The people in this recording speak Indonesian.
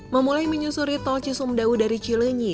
memulai menyusuri tol cisumdawu dari cilenyi